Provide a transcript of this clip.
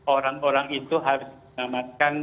orang orang itu harus dinamatkan